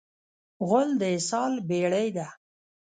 غول د اسهال بېړۍ ده.